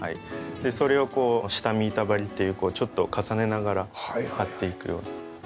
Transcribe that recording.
でそれをこう下見板張りっていうちょっと重ねながら張っていくような。